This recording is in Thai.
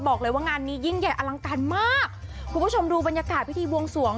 บอกเลยว่างานนี้ยิ่งใหญ่อลังการมากคุณผู้ชมดูบรรยากาศพิธีบวงสวง